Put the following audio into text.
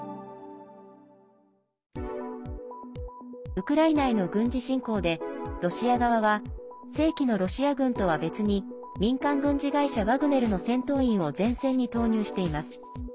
ウクライナへの軍事侵攻でロシア側は正規のロシア軍とは別に民間軍事会社ワグネルの戦闘員を前線に投入しています。